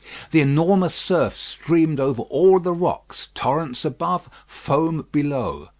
The enormous surf streamed over all the rocks; torrents above; foam below.